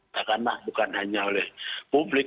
katakanlah bukan hanya oleh publik